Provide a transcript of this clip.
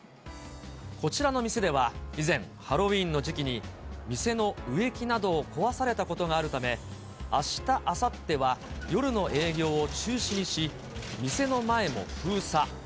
こちらの店では、以前、ハロウィーンの時期に、店の植木などを壊されたことがあるため、あした、あさっては、夜の営業を中止にし、店の前も封鎖。